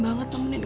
tunggu saja kan